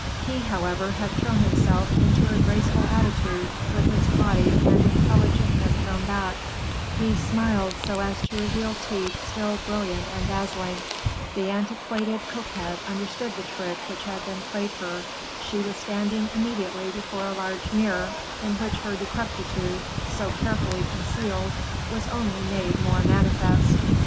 He, however, had thrown himself into a graceful attitude, with his haughty and intelligent head thrown back; he smiled so as to reveal teeth still brilliant and dazzling. The antiquated coquette understood the trick that had been played her. She was standing immediately before a large mirror, in which her decrepitude, so carefully concealed, was only made more manifest.